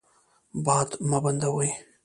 باد مه بندوئ.